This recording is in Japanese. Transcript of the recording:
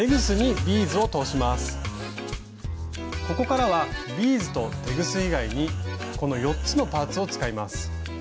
ここからはビーズとテグス以外にこの４つのパーツを使います。